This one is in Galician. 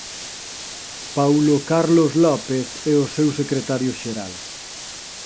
Paulo Carlos López é o seu secretario xeral.